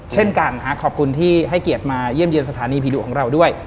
เช่นกันขอบคุณที่ให้เกียรติมาเยี่ยมเยี่ยมสถานีผีดุของเราด้วย